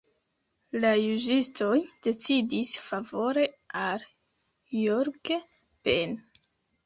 La juĝistoj decidis favore al Jorge Ben.